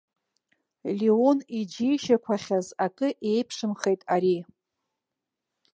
Леон иџьеишьақәахьаз акы еиԥшымхеит ари.